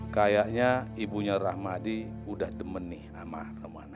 kayaknya ibunya rahmadi udah demen nih sama ramah